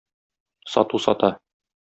Сату сата.